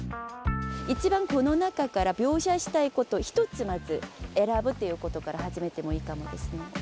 一番この中から描写したいことを１つまず選ぶということから始めてもいいかもですね。